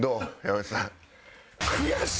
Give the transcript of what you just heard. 山内さん。